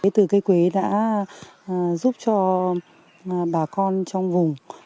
từ cây quế đã giúp cho bà con trong vùng